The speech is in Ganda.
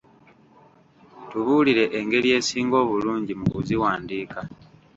Tubuulire engeri esinga obulungi mu kuziwandiika.